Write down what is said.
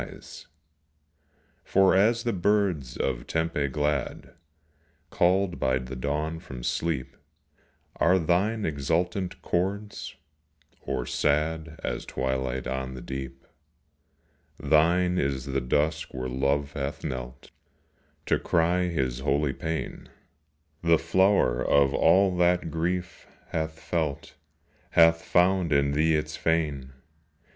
25 POESY. For as the birds of Tempe glad, Called by the dawn from sleep, Are thine exultant chords, or sad As twilight on the deep. Thine is the dusk where Love hath knelt To cry his holy pain; The flower of all that Grief hath felt Hath found in thee its fane.